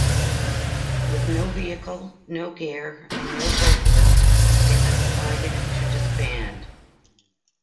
With no vehicle, no gear, and no vocalist, they had decided to disband.